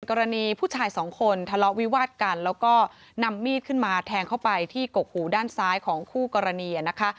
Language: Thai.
กรณีผู้ชายสองคนทะเลาะวิวาดกันแล้วก็นำมีดขึ้นมาแทงเข้าไปที่กกหูด้านซ้ายของคู่กรณีนะคะ